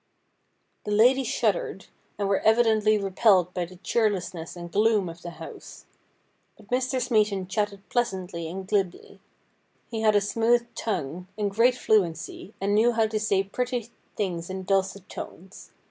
The ladies shuddered, and were evidently repelled by the cheerlessness and gloom of the house. But Mr. Smeaton chatted pleasantly and glibly. He had a smooth tongue and great fluency, and knew how to say pretty things in dulcet tones.